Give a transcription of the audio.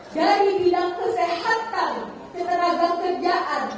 dari bidang kesehatan ketenaga kerjaan